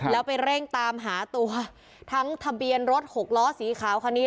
แล้วไปเร่งตามหาตัวทั้งทะเบียนรถหกล้อสีขาวคันนี้